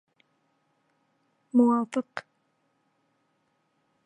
موافق